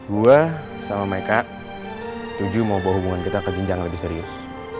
gue sama meka setuju mau bawa hubungan kita ke jenjang yang lebih serius